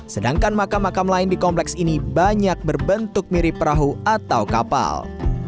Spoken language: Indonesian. sedangkan makam makam lain di kompleks ini banyak berbentuk mirip perahu atau kapal